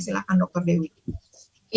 silahkan dr dewi